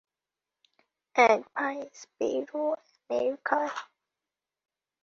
এক ভাই, স্পিরো, আমেরিকায়।